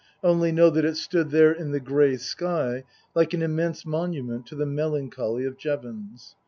I only know that it stood there in the grey sky like an immense monument to the melancholy of Jevons.